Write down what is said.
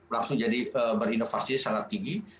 langsung jadi berinovasi sangat tinggi